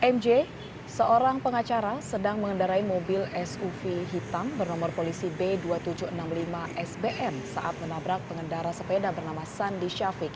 mj seorang pengacara sedang mengendarai mobil suv hitam bernomor polisi b dua ribu tujuh ratus enam puluh lima sbn saat menabrak pengendara sepeda bernama sandi syafiq